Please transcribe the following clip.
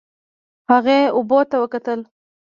هغې اوبو ته وکتل.